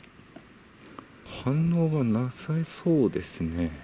反応がなさそうですね。